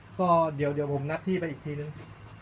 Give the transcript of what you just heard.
ก็เดี๋ยวผมนัดที่ไปอีกทีนึง